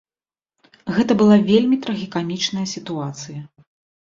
Гэта была вельмі трагікамічная сітуацыя.